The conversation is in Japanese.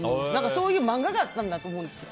そういう漫画があったんだと思うんですよ。